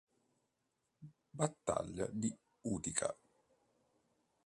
Battaglia di Utica